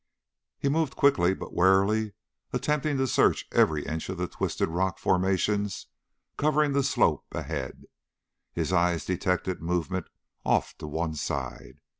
He moved quickly, but warily, attempting to search every inch of the twisted rock formations covering the slope ahead. His eye detected movement off to one side.